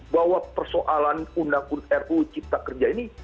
bahwa persoalan undang undang ruu cipta kerja ini